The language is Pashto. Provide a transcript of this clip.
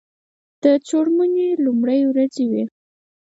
د څوړموني لومړی ورځې وې.